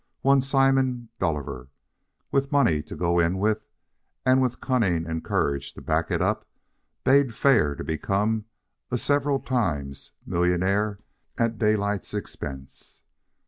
One Simon Dolliver, with money to go in with, and with cunning and courage to back it up, bade fair to become a several times millionaire at Daylight's expense.